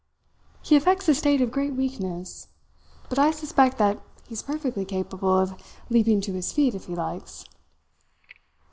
He affects a state of great weakness, but I suspect that he's perfectly capable of leaping to his feet if he likes.